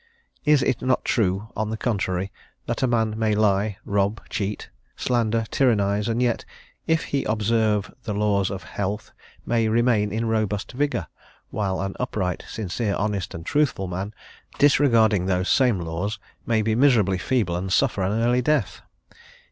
Is it not true, on the contrary, that a man may lie, rob, cheat, slander, tyrannise, and yet, if he observe the laws of health, may remain in robust vigour, while an upright, sincere, honest and truthful man, disregarding those same laws, may be miserably feeble and suffer an early death?